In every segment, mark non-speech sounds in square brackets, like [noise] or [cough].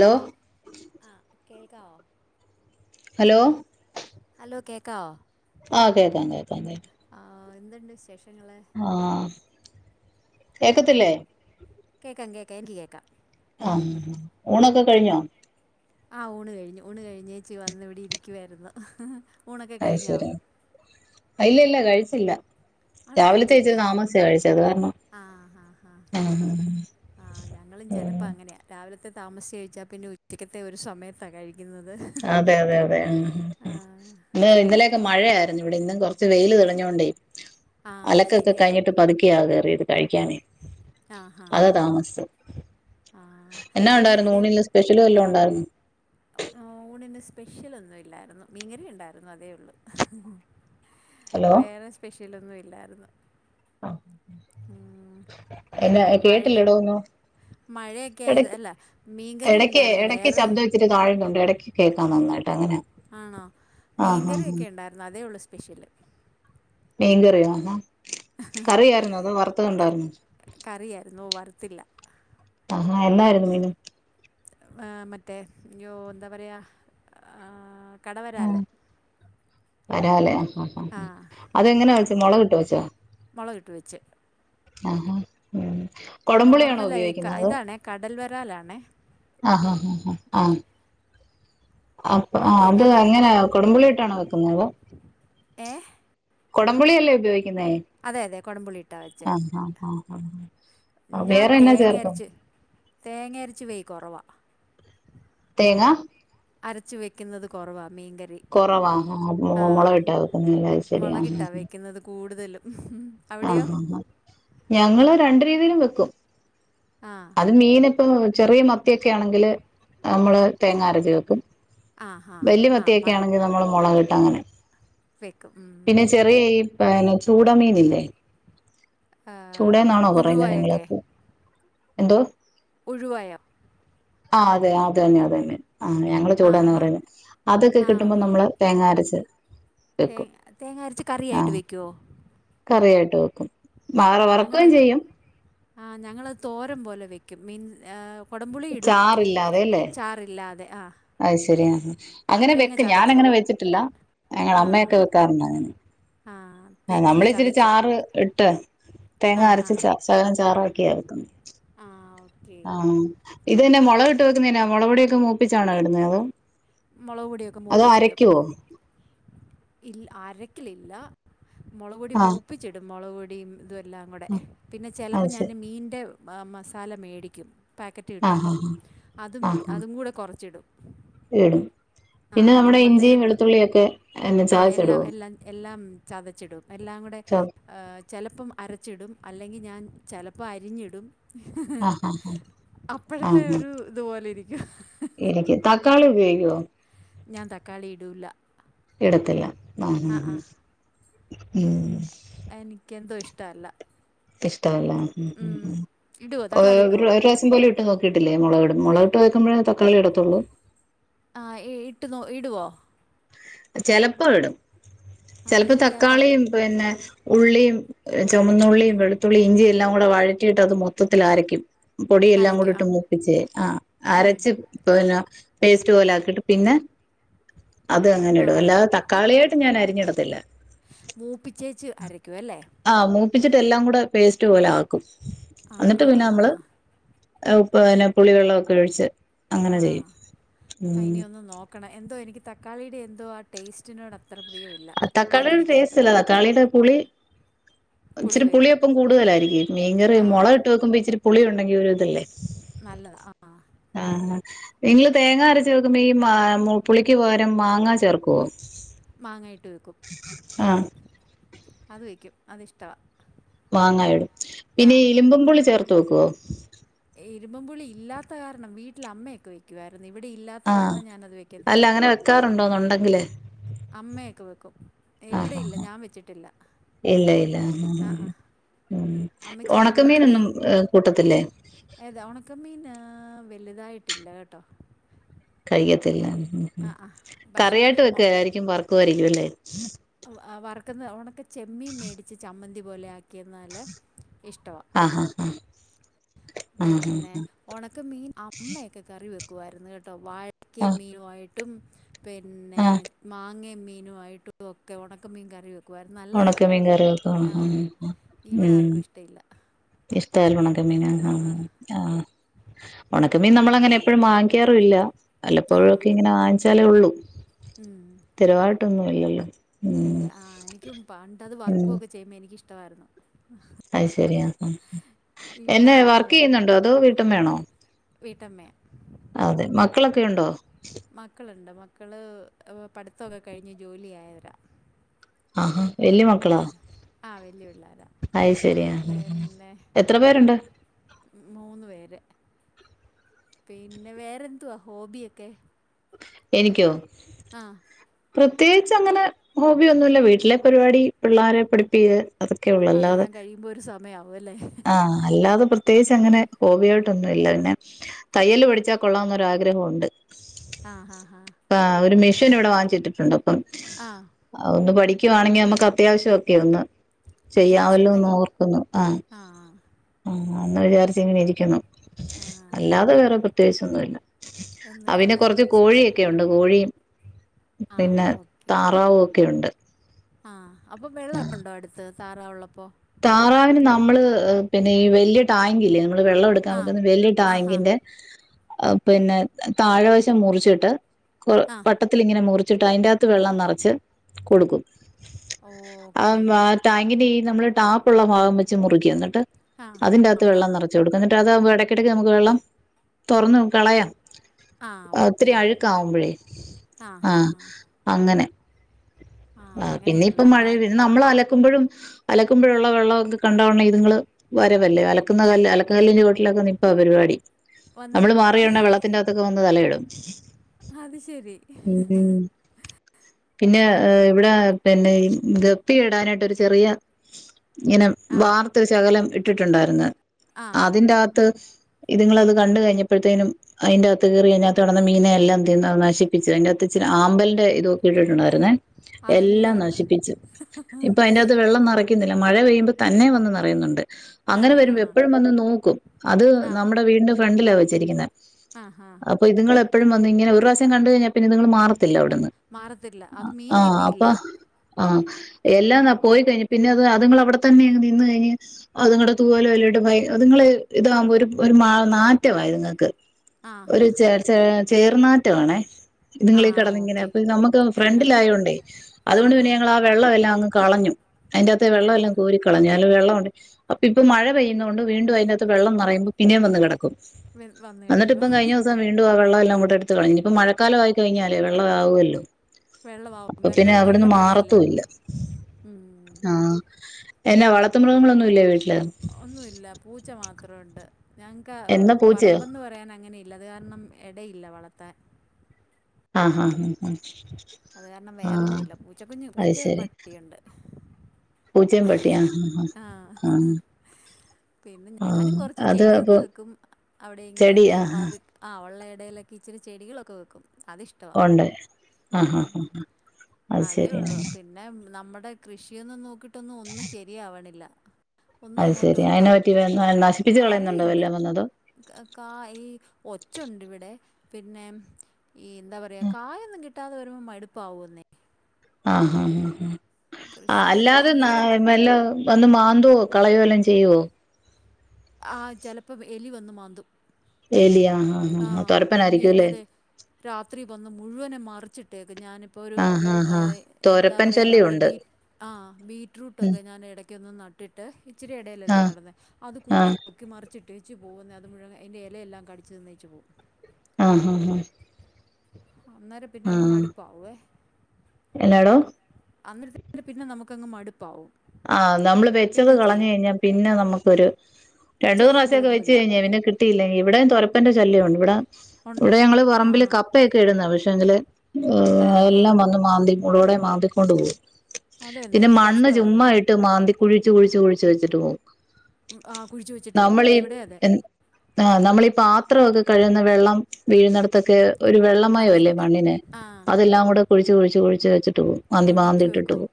Hello ആഹ് കേൾക്കാവോ hello hello കേക്കാവോ ആഹ് കേക്കാം കേക്കാം കേക്കാം ആഹ് ഓ എന്തുണ്ട് വിശേഷങ്ങള് ആഹ് കേക്കത്തില്ലേ കേക്കാം കേക്കാം എനിക്ക് കേക്കാം അം ഊണൊക്കെ കഴിഞ്ഞോ ആഹ് ഊണ് കഴിഞ്ഞു ഊണ് കഴിഞ്ഞേയ്ച്ച് വന്ന് ഇവിടെ ഇരിക്കുവായിരുന്നു ഊണൊക്കെ അയ് കഴിഞ്ഞോ ശരി ഇല്ല ഇല്ല കഴിച്ചില്ല, ആണോ രാവിലെത്തെ കഴിച്ചില്ലേ ഇച്ചിരി താമസിച്ച കഴിച്ചെ അത് കാരണം ആഹ് ആഹ് ആഹ് ആഹ് ഞങ്ങളും ചെലപ്പ അങ്ങനെയാ, രാവിലത്തെ താമസിച്ച് കഴിച്ചാ പിന്നെ ഉച്ചക്കത്തെ ഒരു സൊമയത്താ കഴിക്യിന്നത് അതെ അതെ അതെ ഉം ഹും ഉം ഇന്ന് ഇന്നലെയൊക്കെ മഴയായിരുന്നു ഇവിടെ ഇന്നും കൊറച്ച് വെയ്ല് തെളിഞ്ഞോണ്ടേ ആഹ് അലക്കൊക്കെ ശരിയായി കഴിഞ്ഞിട്ട് പതുക്കെയാ കേറിയത് കഴിക്ക്യാന് ആഹ് അതാ ആഹ് ആഹ് താമസിച്ചെ ആഹ് എന്നാ ഉണ്ടായിരുന്നു ഇന്നിവിടെ ഊണില് സ്പെഷ്യല് വല്ലോ ഉണ്ടായിരുന്നോ ഊണിന് സ്പെഷ്യലൊന്നും ഇല്ലായിരുന്നു മീൻങ്ങറി ഉണ്ടായിരുന്നു അതേ ഒള്ള് ഹലോ വേറെ സ്പെഷ്യലൊന്നും ഇല്ലായ്രുന്നു ആഹ് എന്നാ മഴ കേട്ടില്ലടോ ഒന്നും മഴയൊക്കെ ആയത് ഇടക്ക് അല്ല മീൻകറി ഉണ്ടായിരുന്നു വേറെ ട്ട് താഴ്ന്നുണ്ട് എടക്ക് കേക്കാം നന്നായിട്ട് അങ്ങനെ ആണോ ആഹ് ആഹ് ആഹ് മീൻകറിയൊക്കെ ഇണ്ടാര്ന്നു അതേ ഒള്ളൂ സ്പെഷ്യല് മീൻ കറി ആര്ന്നോ ക കറിയായിരുന്നു വറ്ത്തില്ല ആഹാ എന്നാ ആയിരുന്നു മീന് എഹ് മറ്റേ യ്യോ എന്താ പറയ എഹ് കടവരാല് വരാല് ആഹ് ആഹ് ആഹ് അതെങ്ങനാ വെച്ച് മൊളകിട്ട് വെച്ചോ മൊളക് ഇട്ട് വെച്ച് ആഹ് ഹാ ഉം കൊടംപുളിയാണോ നോർമലായി ക ഉപയോഗിക്കുന്നത് അതോ ഇതാണേ കടൽ വരാല് ആണേ ആഹ് ഹാ ഹാ ഹാ ആണ് [unintelligible] പ്പ് ആഹ് മറ്റേ അത് നം അങ്ങനാ [unintelligible] കൊടംമ്പുളി ഇട്ടാണോ വെക്ക്ന്നേ അതോ ഏ കൊടംമ്പുളി അല്ലെ ഉപയോയ്ക്ക്‌ന്നേ അതെ അതെ കൊടംമ്പുളി ഇട്ടാ വെച്ചെ ആഹ് ആഹ് ഞാൻ വേറെ എന്നാ തേങ്ങ ചേർക്കും അരച്ച് തേങ്ങ അരച്ച് വെയ് കൊറവാ തേങ്ങാ അരച്ച് വെയ്ക്ക്‌ന്നത് കൊറവാ മീൻകറി കുറവാ ആഹ് ആഹ് മുളകിട്ടാ വെക്കുന്നെ അത് ശരി ആഹ് മുളകിട്ടാ ആഹ് വെക്കുന്നത് കൂടുതലും അവിടെയോ ആഹ് ഞങ്ങള് രണ്ട രീതിയിലും വെക്കും ആഹ് അത് മീനിപ്പോ ചെറിയ മത്തിയൊക്കെ ആണെങ്കിൽ നമ്മള് തേങ്ങ അരച് വെക്കും ആ ഹാ വല്ല്യ ആ മത്തിയൊക്കെ മത്ത് ആണെങ്കിൽ നമ്മള് മുളകട്ടും അങ്ങനെ വെക്കും ഉം പിന്നെ ചെറിയ ഈ ചൂടമീനല്ലേ ആ, ചൂടെന്നാണോ പറയുന്നത് ഉഴുവയൊക്കെ നിങ്ങളപ്പോ എന്തോ ഉഴുവയം ആഹ് അതെ അതന്നെ അതന്നെ ആഹ് ഞങ്ങള ആ ചൂടന്ന് ഹാ പറയുന്നത് അതൊക്കെ ആ കിട്ടുമ്പോ നമ്മള് തേങ്ങ അരച്ച തെ തേങ്ങ അരച്ച് കറിയായിട്ട് വെക്കുവോ കറിയായിട്ട് വെക്കും വറ വറക്കുകയും ഞങ്ങളത് ചെയ്യും ആഹ് ഞങ്ങളത് തോരം പോലെ വെക്കും മീൻ കൊടുപുളി ഇടും ചാറില്ലാതെ ആഹ് അഹ്ശെരിയ അങ്ങനെ വെക്ക ഞാനങ്ങനെ വെച്ചിട്ടില്ല ഞങ്ങളെ ആ അമ്മയൊക്കെ വെക്കാറുണ്ടെ ആ ആഹ് തേങ്ങ നമ്മള ചതച്ച് ഇച്ചിരിച്ചാറ് ഇട്ട് തേങ്ങ ആ അരച്ച ശകലം ചാറാക്കിയർക്കുന്നു ആഹ് ആഹ് ഇത പിന്നെ മുളകട്ട് വെക്കുന്നേനാ മുള പൊടിയൊക്കെ മോപ്പിച്ചാണോ ഇടുന്നത് അതോ മുളക് പൊടിയൊക്കെ അതോ മൂപ്പിച്ചിടും ഉം അരയ്ക്കുവോ ഉം അരക്കിലില്ല മുളക് പൊടി ആഹ് മൂപ്പിച്ചിടും മുളക് പൊടിയും ഇതുംല്ലാം കൂടെ പിന്നെ ചെലപ്പോ അത് ഞാൻ ശരി മീന്റെ മസാല മേടിക്കും പാക്കറ്റ് ആഹ് കിട്ടുമല്ലോ ആഹ് അതും ആഹ് ആഹ് അതും കൂടെ കുറച്ചിടും ഇടും ആ പിന്നെ നമ്മുടെ നമ്മളുടേത് ഇഞ്ചിയും വെളുത്തുള്ളിയും ഒക്കെ എന്നെ ചതച്ചുടൊ എ എല്ലാം ചതച്ചിടും എല്ലാം കൂടെ ച ചിലപ്പം അരച്ചിടും അല്ലെങ്കിൽ ഞാൻ ചിലപ്പോൾ അരിഞ്ഞിടും ആഹ് ആഹ് ആഹ് അപ്പോഴത്തെ ഒരു ഇതുപോലെ ഇരിക്കും എനിക്ക് തക്കാളി ഉപയോഗിക്കോ ഞാൻ തക്കാളി ഇടൂല ഇടത്തില്ല ആ ആ ആഹ് ഉം എനിക്കെന്തോ ഇഷ്ടമല്ല ഇഷ്ടവല്ലാ ഉം ഉം ഇടുവോ തക്കാളി ഇടുവോ ഒരുവസം പോലെ ഇട്ട് നോക്കിട്ടില്ലേ മുളകട മുളക ഇട്ട് വക്കുമ്പോ തക്കളി ഇടത്തുള്ളൂ ആഹ് ഇട്ട് നോ ഇടുവോ ചെലപ്പോ ഇടും ആ ചിലപ്പോ എനിക്ക് ആ ത- തക്കാളിയും പിന്നെ ഉള്ളിയും ചുവന്നുള്ളിയും വെളുത്തുള്ളിയും ഇഞ്ചിയും എല്ലാം കൂടെ വഴറ്റിട്ട് അത് മൊത്തത്തിലരയ്ക്കും പൊടിയെല്ലാം അരയ്ക്കും ആ കൂടിട്ട് മൂപ്പിച്ചേ ആഹ് ഉം. അരച്ചു ന്നെ പേസ്റ്റ് പോലെ ആക്കിയിട്ട് പിന്നെ അത് അങ്ങനെ ആ ഇടും അല്ലാതെ തക്കാളിയായിട്ട് ഞാൻ അരിഞ്ഞെടത്തില്ല മൂപ്പിച്ചേച്ച് അരയ്ക്കും അല്ലേ ആഹ് മൂപ്പിച്ചിട്ട എല്ലാം കൂടെ പേസ്റ്റ് പോലെ ആക്കും ആ എന്നിട്ട് ആ പിന്നെ ആ നമ്മള് ആ ആ പ്പ പിന്നെ പുളിവെള്ളമൊക്കെ ഒഴിച്ച് അങ്ങനെ ചെയ്യും ആഹ് ഉം ഇനിയോന്ന് നോക്കണം എന്തോ എനിക്ക് തക്കാളിയുടെ എന്തോ ആ ടേസ്റ്റിനോട അത്ര പ്രിയമില്ല ആഹ് തക്കാളിയുടെ മീൻകറിക്കകത്ത് ടേസ്റ്റ്ല്ല തക്കാളിയുടെ പുളി പുളി ഇച്ചിരി വരും പുളിയൊപ്പം കൂടുതലായിരിക്കും മീങ്കറി ആ മുള ഇട്ട് വെക്കുമ്പോ ഇച്ചിരി പുളിയിണ്ടെങ്കി ഒരു ഇതല്ലേ നല്ലത ആ ആഹ് നിങ്ങള് തേങ്ങ അരച്ചവെക്കുമ്പോ ഈ പുളിക്ക് പകരം മാങ്ങാ ചേർക്കുവോ മാങ്ങായിട്ട് വെക്കും ആഹ് അത് വെക്കും അത് ഇഷ്ടവാ മാങ്ങായിടും പിന്നെ ഇലിമ്പൻ പുളി ചേർത്ത് വെക്കുവോ ഇരുമ്പംപുളി ഇല്ലാത്ത കാരണം വീട്ടില അമ്മയൊക്കെ വയ്ക്കുവായിരുന്നു ഇവിടെ ഇല്ലാത്ത കാരണം ഞാനത് വയ്ക്കത്തില്ല വെക്കാറുണ്ടോ അതുണ്ടെങ്കിലെ അമ്മയൊക്കെ വെക്കും ഇവിടെയില്ല ആഹ് ഞാൻ വെച്ചിട്ടില്ല ഇല്ല ഇല്ല ആഹ് ആഹ് ഉം ഒണക്കമീനൊന്നും കൂട്ടത്തില്ലേ ഏത ഉണക്കമീന് വലുതായിട്ടില്ല കേട്ടോ കഴിക്കത്തില്ല ആ ആ പക്ഷേ കറിയായിട്ട് വെക്ക ആയിരിക്കും വറക്കുമായിരിക്കുംല്ലേ വറക്കുന്ന ഓണക്കെ ചെമ്മീമേടിച്ച് ചമ്മന്തിപോലെ ആ ക്കിന്നാല് ഇഷ്ടവാ ആഹ് ആഹ് ആഹ് പിന്നെ ആഹ് ഒണക്ക മീൻ അമ്മയൊക്കെ കറി വെക്കുവായിരുന്നു കേട്ടോ വാഴക്ക ആഹ് ആഹ് മീനയിട്ടും പിന്നെ ആഹ് മാങ്ങ മീനുമായിട്ടും ഒക്കെ ഉണക്ക മീൻ കറിവെക്കും ക്കുവായിരുന്നു ഉണക്കമീൻ നല്ലതായിരുന്നു കറി വെക്കും ആഹ് ഉം ഇവിടെ ഉം ആർക്കും ഇഷ്ടമില്ല ഇഷ്ടല്ല ഉണക്കമീൻ ആ ഉണക്കമീൻ നമ്മളങ്ങനെ എപ്പോഴും വാങ്ങി ക്കാറുല്ല ആ വല്ലപ്പോഴൊക്കെ ഇങ്ങനെ വാങ്ങിച്ചാലേ ഉള്ളൂ ഉം സ്ഥിരമായിട്ടൊന്നും ഇല്ലല്ലോ ഇല്ല ഉം ആ എനിക്കും പണ്ടത് ഉം വർക്കും ഒക്കെ ചെയ്യുമ്പോ എനിക്കിഷ്ടവായിരുന്നു അത് ശരിയാ എന്നെ വർക്ക്യ്യുന്നുണ്ടോ അതോ വീട്ടമ്മയാണോ വീട്ടമ്മയ അതെ മക്കളൊക്കെ ഉണ്ടോ മക്കളുണ്ട് മക്കള് പഠിത്തക്കെ കഴിഞ്ഞ് ജോലി ആയവരാ ആഹാ വല്യമക്കളാ ആഹ് വല്യ പിള്ളാരാ പിന്നെ എത്ര പേരുണ്ട് മൂന്ന് പേര് പിന്നെ വേറെന്തുവാ ഹോബിയൊക്കെ എനിക്കോ ആഹ് പ്രത്യേകിച്ച് അങ്ങനെ ഹോബി ഒന്നുല്ല വീട്ടിലെ പരിപാടി പിള്ളേരെ പഠിപ്പിക്കത് അതെല്ലാം കഴിയുമ്പോ ഒരു സമയാവും അല്ലേ ആഹ് അല്ലാതെ പ്രത്യേകിച്ച് അങ്ങനെ ഹോബിയായിട്ടൊന്നുല്ല പിന്നെ തയ്യല് പഠിച്ചാൽ കൊള്ളാന്നൊരാഗ്രഹണ്ട് ആഹ് ഹാ ഹാ ആഹ് ഒരു മെഷീൻ ഇവിടെ വാങ്ങിച്ചിട്ടിട്ടുണ്ട് അപ്പം ആഹ് ഒന്ന് പഠിക്കുവാണെങ്കി നമുക്ക് അത്യാവശ്യം ഒക്കെ ഒന്ന് ചെയ്യാമല്ലോന്ന് ഓർക്കുന്നു ആഹ് ആഹ് ആഹ് അന്ന് വിചാരിച്ചങ്ങനെ ഇരിക്കുന്നു ആ അല്ലാതെ വേറെ പ്രത്യേകിച്ചൊന്നുല്ല അവന് ഒന്നുമില്ല കൊറച്ച് കോഴിയൊക്കെയുണ്ട് കോഴിയും ആ പിന്നെ താറാവുക്കെയുണ്ട് ആഹ് അപ്പൊ വെള്ളം ഉണ്ടോ അടുത്ത് താറാവുള്ളപ്പോ താറാവിന് നമ്മള് പിന്നെ ഈ വല്യ ടാങ്ക് ഇല്ലെ നമ്മള് വെള്ളവെടുക്കാൻ ആ വെക്കുന്ന വല്ല്യ ആ ഹാ ടാങ്കിന്റെ ഏഹ് പിന്നെ താഴെവശം മുറിച്ചിട്ട് കൊ ആ വട്ടത്തിലിങ്ങനെ മുറിച്ചിട്ട് അതിന്റാകത്ത് വെള്ളം നെറച്ച് കൊടുക്കും ഓക്കെ ആ ടാങ്കിന്റെ ഈ നമ്മള് നടുക്കുള്ള ഭാഗം വെച്ച് മുറിക്കും ഇന്നെട്ട് ആ ആ അതിന്റകത്ത് ഹാ വെള്ളം നിറച്ച് കൊടുക്കും എന്നി്ട്ടതാവുമ്പം എടക്കിടയ്ക്ക് നമ്മക്ക് വെള്ളം തൊറന്ന് കളയാം ആ ഒത്തിരി ഓക്കെ അഴുക്കാവുമ്പഴേ ആഹ് അങ്ങനെ ആഹ് ആ അങ്ങനെയുള്ളൂ പിന്നെയിപ്പം അപ്പ മഴെ നമ്മളലക്കുമ്പഴും അലക്കുമ്പഴുള്ള വെള്ളവൊക്കെ കണ്ടവുടനെ ഇത്ങ്ങള് വരവല്ലേ അലക്കുന്ന കല്ല് അലക്ക് കല്ലിന്റെ ചോട്ടിലൊക്കെ നിപ്പാ പരിപാടി വന്ന് നമ്മള് നിക്കും മാറിെയൊടനെ വെള്ളത്തിന്റകത്തൊക്കെ വന്ന് തലയിടും അത് ശരി ഉം പിന്നെ ഇവിടെ പിന്നെ ഗപ്പിയിടാനായിട്ടൊരു ചെറിയ ഇങ്ങനെ ആഹ് വാർത്തൊരു ശകലം ഇട്ടിട്ടുണ്ടായിരുന്നു ആഹ് അതിന്റകത്ത് ഇത്ങ്ങളെ അത് കണ്ട് കഴിഞ്ഞപ്പഴത്തേനും അതിന്റകത്ത് കയറി അയിനകത്ത് കെടന്ന മീനെയെല്ലാം തീന്ന് അത് നശിപ്പി ച്ചു അയിന്റകത്ത് ഇച്ഛിരി ആമ്പലിന്റെ ഇതൊക്കെ ഇട്ടിട്ടുണ്ടായിരുന്നേ? എല്ലാം അതെല്ലാം നശിപ്പിച്ചു ഇപ്പൊ അയിന്റകത്ത് വെള്ളം നിറയ്ക്കുന്നില്ല മഴ പെയ്യുമ്പോ തന്നെ വന്ന് നിറയുന്നുണ്ട് അങ്ങനെ നിറയും വരുമ്പോ ആഹ് എപ്പഴും വന്ന് നോക്കും അത് ആഹ് നമ്മുടെ വീടിന്റെ ഫ്രണ്ടിലാണ് വെച്ചിരിക്കുന്നെ ആഹ് ഹാ അപ്പ ഇത്ങ്ങള് എപ്പഴും വന്ന് ഇങ്ങെനെ ഒരു പ്രാവിശ്യം കണ്ട്കഴിഞ്ഞാ പിന്നെ ഇത്ങ്ങള് മാറത്തില്ല അവിട്ന്ന് മാറത്തില്ല അത് മീ ആഹ് അപ്പാ ആഹ് എല്ലാം ന്നാ പോയി കഴിഞ്ഞു പിന്നെ അത് അതുങ്ങള് അവിടെ തന്നെയങ് നിന്ന് കഴിഞ്ഞഴിഞ്ഞാ അതുങ്ങളുടെ തൂവലയില്ലോട്ട് ഭയ അത്ങ്ങള് ഇതാകുമ്പോ ഒരു ഒരു മാ നാറ്റവാ ഇത്ങ്ങക്ക് ആഹ് ഒരു ആഹ് ചേ ആഹ് ച ചേർനാറ്റമാണേ ഇത്ങ്ങള് ഈ ആഹ് കെടന്നിങ്ങനെ ഓക്കെ അപ്പ നമുക്ക് ഇതുങ്ങള് ഫ്രണ്ടിലായോണ്ട് അതുകൊണ്ട് ആഹ് പിന്നെ ആഹ് ഞങ്ങളാ വെള്ളവെല്ലാമങ്ങ് കളഞ്ഞു അതിൻ്റകത്തെ വെള്ളമെല്ലാം ആഹ് കോരി ക കളഞ്ഞു നല്ല വെള്ളോണ്ട് അപ്പയിപ്പൊ മഴ പെയ്യുന്നോണ്ട് വീണ്ടും അയിൻ്റെകത്ത് വെള്ളം നെറയുമ്പോ പിന്നെം വന്ന് കെടക്കും വന്ന് കിടക്കും എന്നിട്ട്പ്പം കഴിഞ്ഞൂസം വീണ്ടും ആ വെള്ളവെല്ലാം അങ്ങോട്ട് എടുത്ത് കളഞ്ഞ് ഇഞിപ്പോ മഴക്കാലവായി കഴിഞ്ഞാല് വെള്ളം ആവുവല്ലോ? വെള്ളവാവും അപ്പോ പിന്നെ അവിടുന്ന് മാറത്തൂവില്ല ഉം ആഹ് എന്നാ വളർത്ത് മൃഗങ്ങളൊന്നും ഇല്ലേ വീട്ടില്? ഒന്നുവില്ല പൂച്ച മാത്രംമുണ്ട് ഞങ്ങക്ക് ആഹ് എന്നാ പൂച്ചയോ പറമ്പെന്ന് പറയാനങ്ങനെയില്ല അത് കാരണം എടയില്ല വളർത്താൻ ആഹ് ആഹ് ഹും ഉം അത് കാരണം വേറൊന്നുല്ല പൂച്ച കുഞ്ഞ് പൂച്ചേം ശരി പട്ടിയുണ്ട് പൂച്ചയും പട്ടിയും ആഹ് ആഹ് പിന്നെ ആഹ് ഞാനും ആഹ് കൊറച്ച് അത് ചെടിയൊക്കെ അപ്പൊ വെക്കും ചെടി അവിടെയിങ്ങനെയൊക്കെ ആഹ് വാത് ആഹ് ഒള്ള എടേലൊക്കെ ഇച്ചിരി ചെടികളൊക്കെ വെക്കും അതിഷ് ഒണ്ട് ആഹ് ആഹ് അഹ് ആഹ് അത് അതേ സെരിയ ഉള്ളൂ പിന്നെ നമ്മടെ കൃഷിയൊന്നും നോക്കിയ്ട്ടൊന്നും ഒന്നും ശരിയാവണില്ല ഒന്നും അങ്ങോട്ട് അഹ്ശെരി ക അയെന്നാ പറ്റി വ നശിപ്പിച്ച് കളയുന്നുണ്ടോ അറിയില്ല വല്ലോം വന്നത്? കാ ഈ ഒച്ചുണ്ടിവിടെ പിന്നെ ഈ എന്താ പറയാ കായൊന്നും കിട്ടാതെ വരുമ്പോ മടുപ്പാവൂന്നേ ആഹ് ആഹ് ഉം ഉം അ കൃഷി ചെയ്തെന്ന് അല്ലാതെ ന എന്തെങ്കിലും വല്ല വന്ന് മാന്തുവോ കളയോ വെല്ലോം ചെയ്യോ ആഹ് ചെലപ്പം എലി വന്നു മാന്തും എലി ആഹ് ആഹ് ആ ആഹ് വലിയ എലി തൊരപ്പനായിരിക്കുല്ലേ അതെ രാത്രി വന്ന് മുഴുവനും മറിച്ചിട്ടേക്കും ഞാന് ഇപ്പോ ഒരു ആഹ് ആഹ് ആഹ് എന്താ തൊരപ്പൻ പറയ ശല്യം നമ്മുടെ ഉണ്ട് ബീ ആഹ് ബീറ്റ് ഉം റൂട്ടൊക്കെ ഞാൻ എടക്കൊന്ന് നട്ടിട്ട് ഇച്ചിരി എടേലല്ലേ ആഹ് നടുന്നേ അത് കുത്തി ആഹ് പൊക്കി മറിച്ചിട്ടേച്ച് പോകുന്നേ അത് മുഴൻ അതിന്റെ എലയെല്ലാം കടിച്ച് തിന്നേച്ചു പോവും ആഹ് ആഹ് ആഹ് അന്നേരം പിന്നെ അങ്ങ് മടുപ്പാവേ എന്നാടോ അന്നി [inaudible] പിന്നെ നമുക്കങ്ങ് മടുപ്പാവും ആഹ് നമ്മള് വെച്ചത് പിന്നെ കളഞ്ഞു ചെയ്യാൻ കഴിഞ്ഞാ പിന്നെ നമുക്കൊരു രണ്ടു മൂന്ന് ചെയ്യാൻ പ്രാവശ്യൊക്കെ വെച്ച് തോന്നൂല കഴിഞ്ഞ് പിന്നെ കി കിട്ടിയില്ലെങ്കിൽ ഇവിടെ തൊരപ്പന്റെ ശല്യം ഉണ്ട് ഇവിടെ ഉൺ- ഇവിടെ ഞങ്ങള് ആ പറമ്പില് കപ്പയൊക്കെ ഇടുന്നതാ പക്ഷേങ്കില് എ് ആ ഹാ എല്ലാം വന്ന് മാന്തി മൂടോടെ മാന്തിക്കൊണ്ട് പോവും അതെന്നെ എന്ത് കഷ്ടാ ന്നിട്ട് മാന്തി കുഴിച്ചു കുഴിച്ച് കുഴിച്ചു വെച്ചിട്ട് പോവും ഉം, ആ കുഴിച്ചു വെച്ചിട്ട് പോകും നമ്മളീ ഇവിടെ അതെ എ ആഹ് നമ്മളി പാ ത്രോക്കെ കഴിക്ന്ന വെള്ളം വീഴുന്നിടത്തൊക്കെ ഒരു വെള്ളമയൊല്ലേ വന്നിരിക്കും മണ്ണിന് ആ അതെല്ലാം കൂടെ കുഴിച്ച് കുഴിച്ച് കുഴിച്ച് വെച്ചിട്ട് പോവും മാന്തിമാന്തി കുഴിച്ചു ഇട്ടിട്ട് വെക്കും പോവും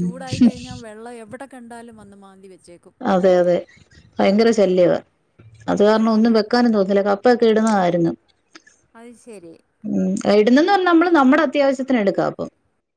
ചൂടായി കഴിഞ്ഞാ വെള്ളം എവിടെ കണ്ടാലും വന്ന് മാന്തി വെച്ചേക്കും അതെ അതെ ഭയങ്കര ശല്യവാ അത് ആ കാരണം ഒന്നും വെക്കാനും തോന്നുന്നില്ല കപ്പൊക്കെ ഇടുന്നതായിരുന്നു അത്ശരി ഉം ഇടുന്നെന്ന് പറഞ്ഞ നമ്മള് നമ്മടെ അത്യാവശ്യത്തിന് എടുക്കാം അപ്പൊ